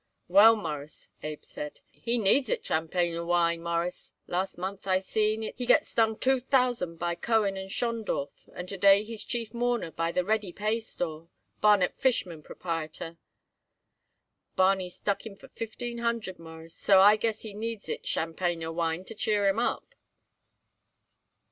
"Well, Mawruss," Abe said, "he needs it tchampanyer wine, Mawruss. Last month I seen it he gets stung two thousand by Cohen & Schondorf, and to day he's chief mourner by the Ready Pay Store, Barnet Fischman proprietor. Barney stuck him for fifteen hundred, Mawruss, so I guess he needs it tchampanyer wine to cheer him up."